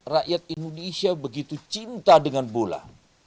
rakyat indonesia begitu cinta dengan bola